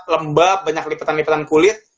lembab banyak lipatan lipatan kulit